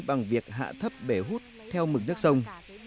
bằng việc hạ thấp bể hút theo mực nước sông